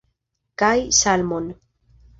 Kaj salmon!